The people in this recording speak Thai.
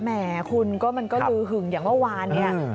แหมคุณก็มันก็ลือหึงอย่างเมื่อวานเนี่ย